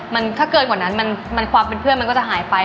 มันถ้าเกินกว่านั้นความเป็นเพื่อนมันก็จะหายไป